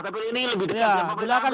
tapi ini lebih dekat dengan pemerintah